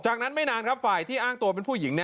จากนั้นไม่นานครับฝ่ายที่อ้างตัวเป็นผู้หญิง